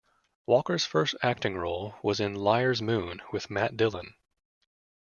Walker's first acting role was in "Liar's Moon" with Matt Dillon.